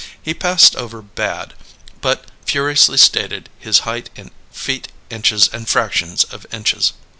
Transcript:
He passed over "bad," but furiously stated his height in feet, inches, and fractions of inches.